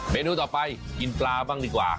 นูต่อไปกินปลาบ้างดีกว่า